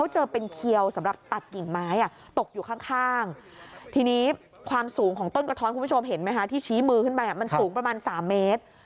เห็นไหมคะที่ชี้มือขึ้นไปมันสูงประมาณ๓เมตร